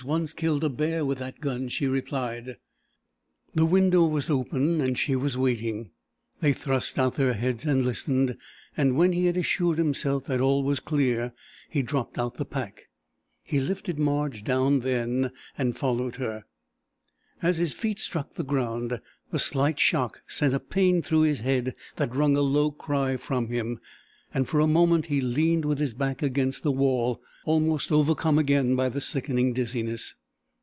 "Nisikoos once killed a bear with that gun," she replied. The window was open, and she was waiting. They thrust out their heads and listened, and when he had assured himself that all was clear he dropped out the pack. He lifted Marge down then and followed her. As his feet struck the ground the slight shock sent a pain through his head that wrung a low cry from him, and for a moment he leaned with his back against the wall, almost overcome again by the sickening dizziness.